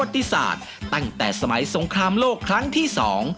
ตั้งแต่สมัยสงครามโลกครั้งที่สอง